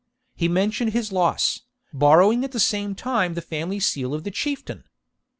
He mentioned his loss, borrowing at the same time the family seal of the Chieftain.